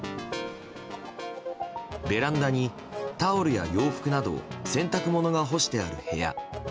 ベランダに、タオルや洋服など洗濯物が干してある部屋。